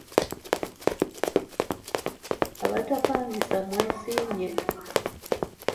Abatapangisa mwesiimye.